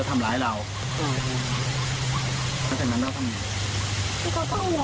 อืมพูดถูก